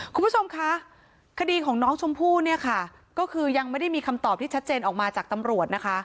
คุณผู้ชมคะคดีของน้องชมพู่เนี่ยค่ะก็คือยังไม่ได้มีคำตอบที่ชัดเจนออกมาจากตำรวจนะคะ